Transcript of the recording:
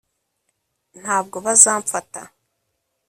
ntabwo bazamfata